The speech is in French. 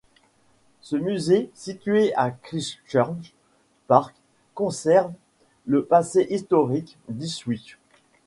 Ce musée, situé à Christchurch Park, conserve le passé historique d’Ipswich.